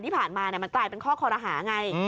ที่ผ่านมามันกลายเป็นข้อคอรหาไง